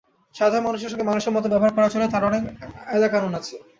সাধারণ মানুষের সঙ্গে মানুষের মতো ব্যবহার করা চলে– তার অনেক কায়দা-কানুন আছে।